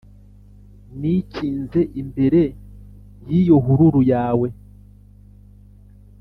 nikinze imbere y'iyo hururu yawe,